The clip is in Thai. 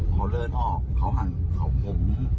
เขาเลินออกเขาหั่นเข้าผม